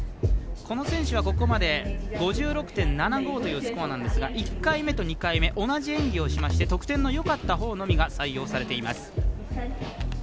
この選手はここまで６６．７５というスコアなんですが１回目と２回目同じ演技をしまして得点がよかったほうのみが採用されています。